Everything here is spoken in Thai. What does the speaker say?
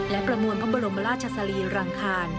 และประมวลพระบรมราชสรีรังคาร